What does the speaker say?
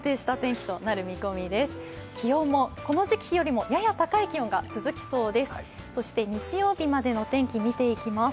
気温もこの時期よりも、やや高い気温が続きそうです。